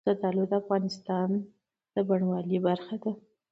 زردالو د افغانستان د بڼوالۍ برخه ده.